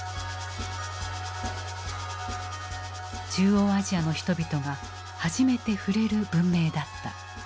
中央アジアの人々が初めて触れる文明だった。